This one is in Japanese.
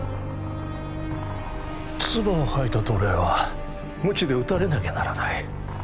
唾を吐いた奴隷は鞭で打たれなきゃならない